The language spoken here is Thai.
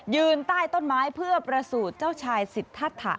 ยืนใต้ต้นไม้เพื่อประสูจน์เจ้าชายสิทธา